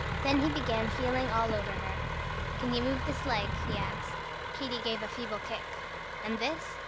Then he began feeling all over her. "Can you move this leg?" he asked. Katy gave a feeble kick. "And this?"